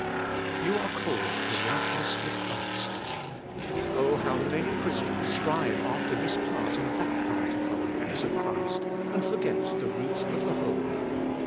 You are called to likeness with Christ. Oh, how many Christians strive after this part and that part of the likeness of Christ, and forget the root of the whole!